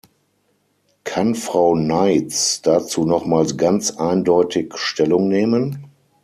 Kann Frau Neyts dazu nochmals ganz eindeutig Stellung nehmen?